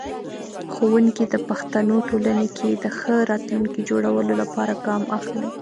ښوونکی د پښتنو ټولنې کې د ښه راتلونکي جوړولو لپاره ګام اخلي.